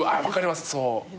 分かります。